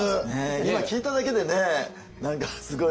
今聞いただけでね何かすごいわ。